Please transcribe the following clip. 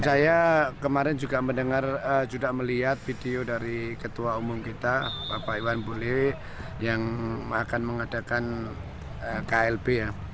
saya kemarin juga mendengar juga melihat video dari ketua umum kita bapak iwan bule yang akan mengadakan klb ya